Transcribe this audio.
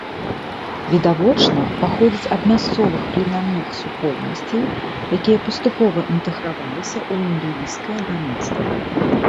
Відавочна, паходзіць ад мясцовых племянных супольнасцей, якія паступова інтэграваліся ў індуісцкае грамадства.